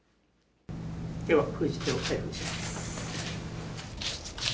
では封じ手を開封します。